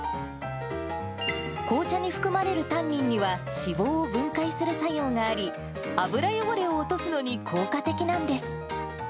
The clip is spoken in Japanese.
紅茶に含まれるタンニンには、脂肪を分解する作用があり、油汚れを落とすのに効果的なんです。